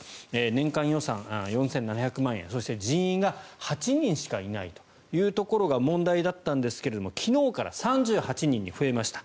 年間予算４７００万円人員が８人しかいないというところが問題だったんですが昨日から３８人に増えました。